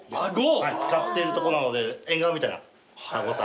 使っているとこなのでエンガワみたいな歯応えで。